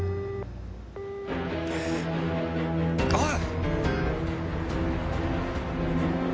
おい！